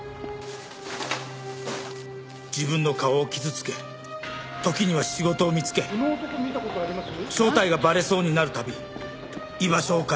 自分の顔を傷付け時には仕事を見つけ正体がバレそうになる度居場所を変えて。